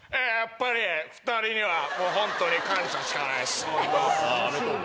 やっぱり２人にはホントに感謝しかないっす。